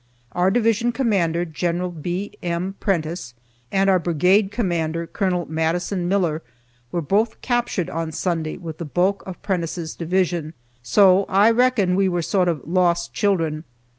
Our division commander, General B. M. Prentiss, and our brigade commander, Col. Madison Miller, were both captured on Sunday with the bulk of Prentiss' division, so I reckon we were sort of "lost children."